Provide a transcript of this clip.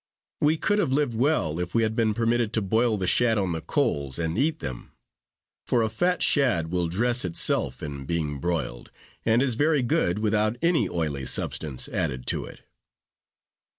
We could have lived well, if we had been permitted to boil the shad on the coals, and eat them; for a fat shad will dress itself in being broiled, and is very good, without any oily substance added to it.